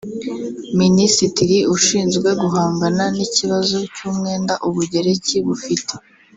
Minisitiri ushizwe guhangana n’ikibazo cy’umwenda u Bugereki bufite